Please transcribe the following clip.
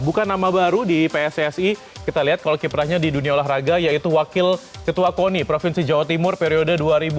bukan nama baru di pssi kita lihat kalau kiprahnya di dunia olahraga yaitu wakil ketua koni provinsi jawa timur periode dua ribu dua puluh